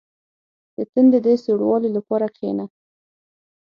• د تندي د سوړوالي لپاره کښېنه.